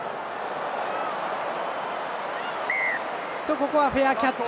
ここはフェアキャッチ。